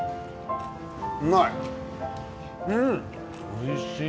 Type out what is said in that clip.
おいしい。